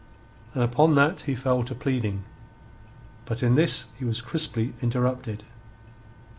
And upon that he fell to pleading. But in this he was crisply interrupted.